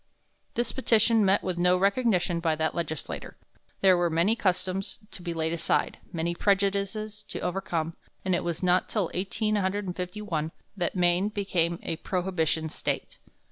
This petition met with no recognition by that legislature. There were many customs to be laid aside, many prejudices to be overcome, and it was not till 1851 that Maine became a prohibition State.